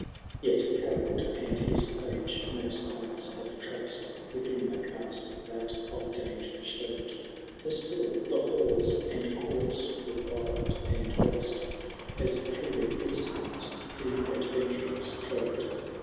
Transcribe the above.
IV. Yet Harold and his Page no signs have traced Within the castle, that of danger showed *, For still the halls and courts were wild and waste, As through their precincts the adventurers trode.